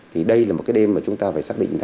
thì đây là một cái đêm mà chúng ta phải xác định